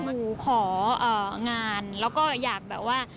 หนูของานแล้วก็อยากแบบว่า